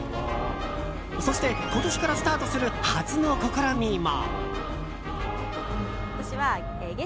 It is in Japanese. そして、今年からスタートする初の試みも。